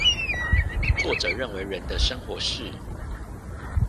作者認為人的生活是